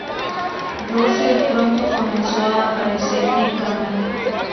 Rose pronto comenzó a aparecer en cámara.